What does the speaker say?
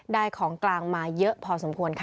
ของกลางมาเยอะพอสมควรค่ะ